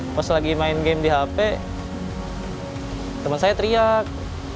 pas lagi main game di hp teman saya teriak